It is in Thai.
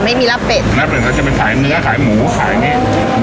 ไม่มีราบเป็ดราบเป็นก็จะเป็นขายเนื้อขายหมูขายเงี้ย